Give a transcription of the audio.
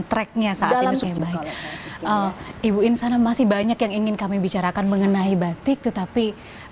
tracknya saat ini oke baik ibu insana masih banyak yang ingin kami bicarakan mengenai batik tetapi